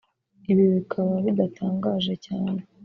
Ibi bikaba bidatangaje cyane